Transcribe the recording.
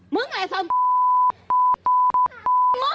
มึงอะไรทำ